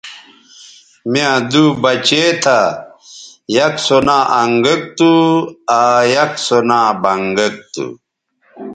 می یاں دُو بچے تھا یک سو نا انگک تھو آ یک سو نا بنگک تھو